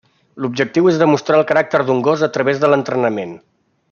L'objectiu és demostrar el caràcter d'un gos a través de l'entrenament.